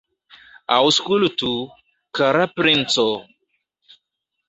Aŭskultu, kara princo!